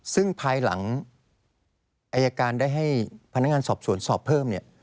ซึ่งภายหลังอายการได้ให้พนักงานสอบสวนสอบเพิ่มเนี่ย